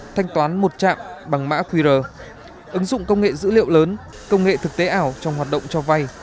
thanh toán một chạm bằng mã qr ứng dụng công nghệ dữ liệu lớn công nghệ thực tế ảo trong hoạt động cho vay